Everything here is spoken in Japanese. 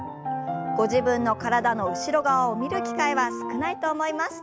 ご自分の体の後ろ側を見る機会は少ないと思います。